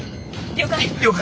了解。